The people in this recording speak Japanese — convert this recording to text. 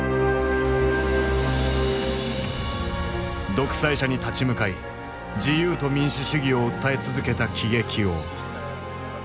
独裁者に立ち向かい自由と民主主義を訴え続けた喜劇王。